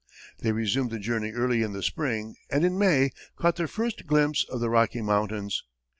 They resumed the journey early in the spring, and in May, caught their first glimpse of the Rocky Mountains.